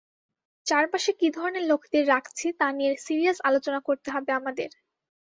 চারপাশে কী ধরনের লোকদের রাখছি তা নিয়ে সিরিয়াস আলোচনা করতে হবে আমাদের।